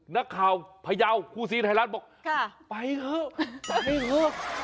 นักข่าวพยาวคู่ซีไทยรัฐบอกไปเถอะจัดเองเถอะ